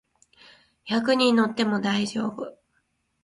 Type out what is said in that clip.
百人乗っても大丈夫